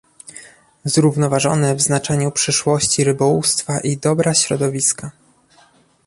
zrównoważony w znaczeniu przyszłości rybołówstwa i dobra środowiska